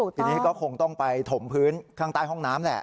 ทีนี้ก็คงต้องไปถมพื้นข้างใต้ห้องน้ำแหละ